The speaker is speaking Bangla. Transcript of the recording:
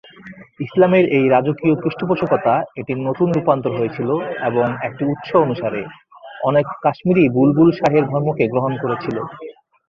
ইসলামের এই রাজকীয় পৃষ্ঠপোষকতা এটি নতুন রূপান্তর হয়েছিল এবং একটি উৎস অনুসারে, অনেক কাশ্মীরি বুলবুল শাহের ধর্মকে গ্রহণ করেছিল।